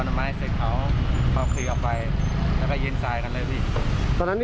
ฝ่ายปกติการกู้ชีปลังบรณนายพานุวัฒน์